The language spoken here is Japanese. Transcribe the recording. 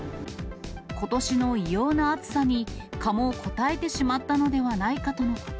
ことしの異様な暑さに、蚊もこたえてしまったのではないかとのこと。